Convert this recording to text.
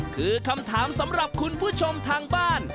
คือคำถามสำหรับคุณผู้ชมทางบ้าน